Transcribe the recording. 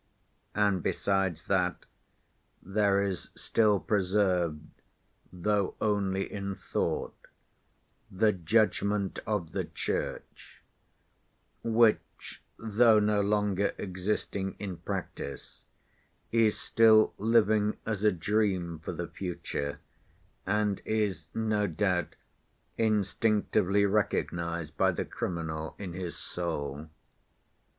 And besides that, there is still preserved, though only in thought, the judgment of the Church, which though no longer existing in practice is still living as a dream for the future, and is, no doubt, instinctively recognized by the criminal in his soul.